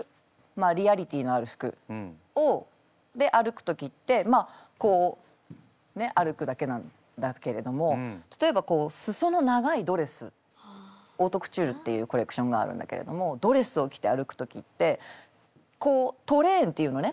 リアリティーのある服で歩く時ってまあこうね歩くだけなんだけれども例えばこう裾の長いドレスオートクチュールっていうコレクションがあるんだけれどもドレスを着て歩く時ってこうトレーンっていうのね